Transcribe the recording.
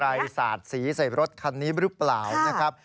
สาดสีใส่รถคันนี้หรือเปล่านะครับ